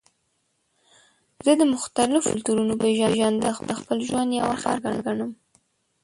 زه د مختلفو کلتورونو پیژندنه د خپل ژوند یوه برخه ګڼم.